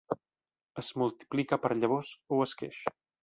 Es multiplica per llavors o esqueix.